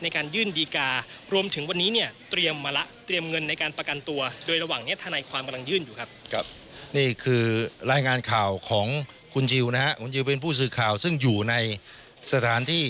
ครับนี้คือรายงานข่าวของขุ้นจิลค่ะคุณจิลเป็นผู้สืบข่าวซึ่งอยู่ในสถานที่